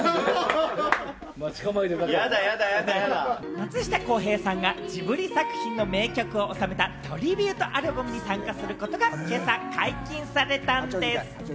松下洸平さんがジブリ作品の名曲をおさめたトリビュートアルバムに参加することが今朝、解禁されたんです。